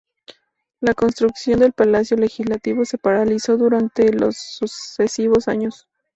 La construcción del Palacio Legislativo se paralizó durante los sucesivos años.